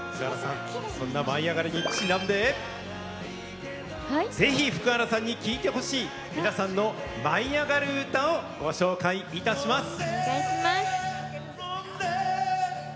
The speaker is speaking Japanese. そんな「舞いあがれ！」にちなんで福原さんに聴いてほしい皆さんの舞いあがる歌をご紹介いたします。